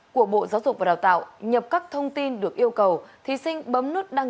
của bộ giáo dục và đào tạo nhập các thông tin được yêu cầu